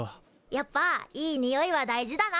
やっぱいいにおいは大事だな。